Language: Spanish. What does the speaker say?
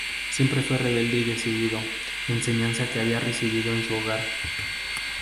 Siempre fue rebelde y decidido, enseñanza que había recibido en su hogar.